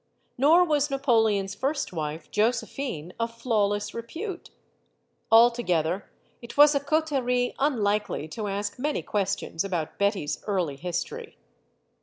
Nor was Napoleon's first wife, Josephine, of flawless repute. Altogether, it was a coterie unlikely to ask many questions about Betty's early history.